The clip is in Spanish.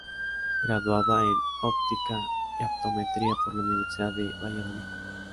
Graduada en Óptica y Optometría por la Universidad de Valladolid.